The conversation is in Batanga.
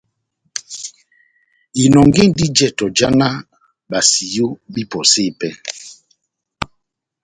Inɔngindi jɛtɔ já náh basiyo bahipɔse pɛhɛ.